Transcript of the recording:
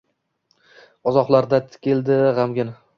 uzoqlarga tikildi g‘amgin.